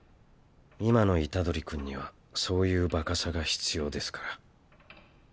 今の虎杖君にはそういうバカさが必要ですから。